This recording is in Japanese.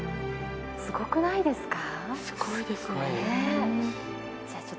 すごくないですか？